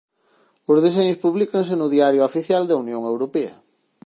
Os deseños publícanse no Diario Oficial da Unión Europea.